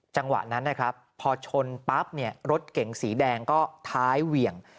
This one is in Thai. จังหวะนั้นนะครับพอชนปั๊บเนี่ยรถเก๋งสีแดงก็ท้ายเหวี่ยง